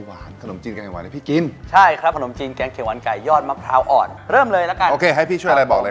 ให้มันพีชทั่วไปเอายอดมะพร้าวให้พี่เนี่ย